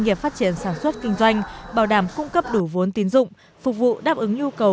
nghiệp phát triển sản xuất kinh doanh bảo đảm cung cấp đủ vốn tín dụng phục vụ đáp ứng nhu cầu